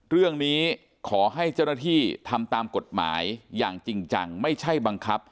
เรื่องนี้ขอให้เจ้าหน้าที่ทำตามกฎหมายอย่างจริงจังไม่ใช่บังคับ